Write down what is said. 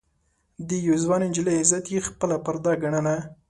د يوې ځوانې نجلۍ عزت يې خپله پرده ګڼله.